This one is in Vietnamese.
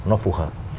nó phù hợp